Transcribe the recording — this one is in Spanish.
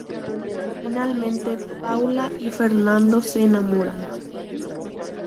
Finalmente Paula y Fernando se enamoran.